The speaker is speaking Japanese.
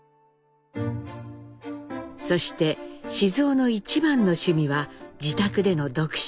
そして雄の一番の趣味は自宅での読書。